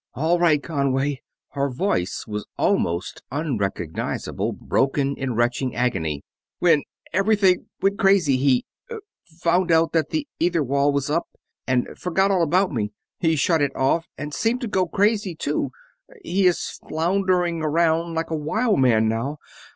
"All right, Conway." Her voice was almost unrecognizable, broken in retching agony. "When everything went crazy he ... found out that the ether wall was up and ... forgot all about me. He shut it off ... and seemed to go crazy too ... he is floundering around like a wild man now